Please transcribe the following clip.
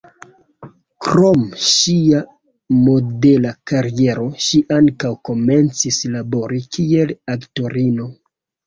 Krom ŝia modela kariero, ŝi ankaŭ komencis labori kiel aktorino.